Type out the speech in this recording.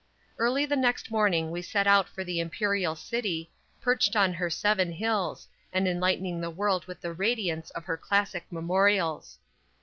Early the next morning we set out for the Imperial City, perched on her seven hills, and enlightening the world with the radiance of her classic memorials.